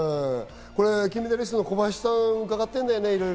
これ、金メダリストの小林さんにうかがってるんだよね？